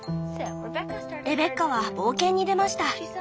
レベッカは冒険に出ました。